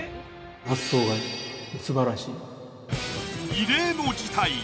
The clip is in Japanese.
異例の事態。